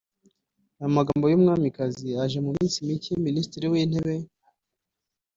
Aya magambo y’umwamikazi aje nyuma y’iminsi mike Minisitiri w’Intebe